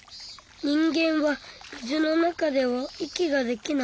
人間は水の中では息ができない。